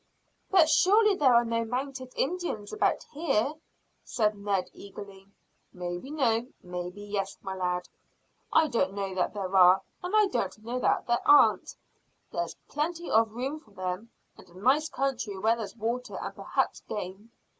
"But surely there are no mounted Indians about here?" said Ned eagerly. "Maybe no, maybe yes, my lad. I don't know that there are, and I don't know that there aren't. Here's plenty of room for them, and a nice country where there's water and perhaps game.